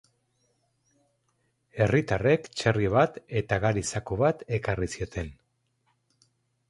Herritarrek txerri bat eta gari-zaku bat ekarri zioten.